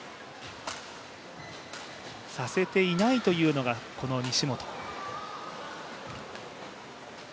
させていないというのがこの西本。